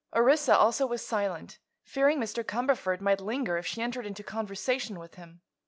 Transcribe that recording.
Orissa also was silent, fearing Mr. Cumberford might linger if she entered into conversation with him.